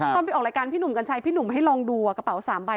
ตอนไปออกรายการพี่หนุ่มกัญชัยพี่หนุ่มให้ลองดูกระเป๋า๓ใบ